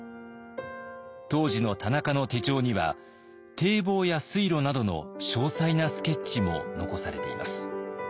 当時の田中の手帳には堤防や水路などの詳細なスケッチも残されています。